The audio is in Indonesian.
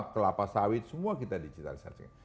kelapa sawit semua kita digitalisasi